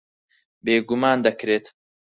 بێگومان دەکرێت.